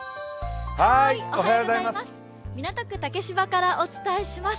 港区竹芝からお伝えします。